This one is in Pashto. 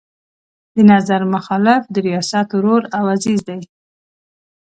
د نظر مخالف د ریاست ورور او عزیز وي.